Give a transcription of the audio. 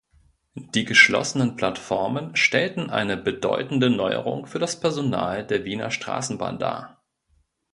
Die geschlossenen Plattformen stellten eine bedeutende Neuerung für das Personal der Wiener Straßenbahn dar.